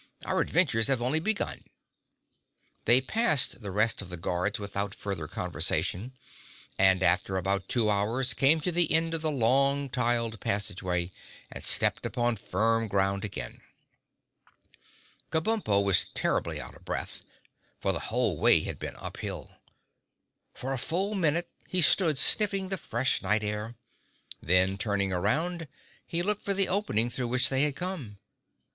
"Our adventures have only begun." They passed the rest of the guards without further conversation, and after about two hours came to the end of the long tiled passageway and stepped upon firm ground again. Kabumpo was terribly out of breath, for the whole way had been up hill. For a full minute he stood sniffing the fresh night air. Then, turning around, he looked for the opening through which they had come.